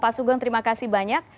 pak sugeng terima kasih banyak